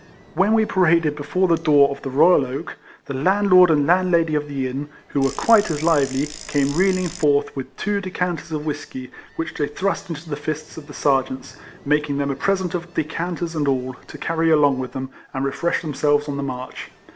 When we paraded before the door of the Royal Oak, the landlord and landlady of the inn, who were quite as lively, came reeling forth, with two decanters of whiskey, which they thrust into the fists of the Sergeants, making them a present of decanters and all, to carry along with them, and refresh themselves on the march.